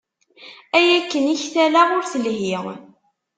Ay akken i ktaleɣ ur telhi.